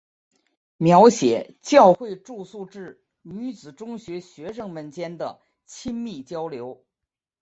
描写教会住宿制女子中学学生们间的亲密交流。